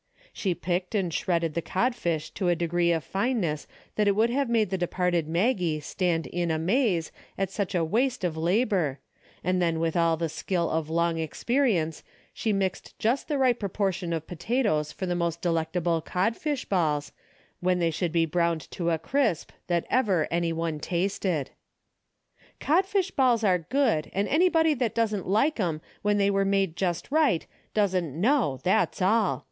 She picked and shredded the codfish to a degree of fineness that would have made the departed Maggie stand in amaze at such a waste of labor, and then with all the skill of long ex perience, she mixed just the right proportion of potatoes for the most delectable codfish balls, when they should be browned to a crisp, that ever any one tasted. " Codfish balls are good, and anybody that doesn't like 'em when they are made just right doesn't know, that's all.